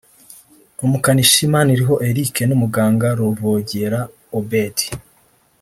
Umukanishi Maniriho Eric n’Umuganga Ruvogera Obed